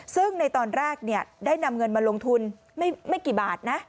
ซึ่งในตอนแรกได้นำเงินมาลงทุนไม่กี่บาทนะ